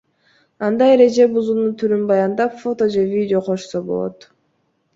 Анда эреже бузуунун түрүн баяндап, фото же видео кошсо болот.